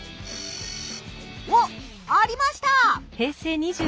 おっありました！